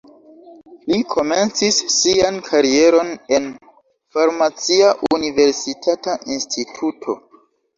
Li komencis sian karieron en farmacia universitata instituto.